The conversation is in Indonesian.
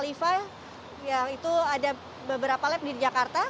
di biosalify ada beberapa lab di jakarta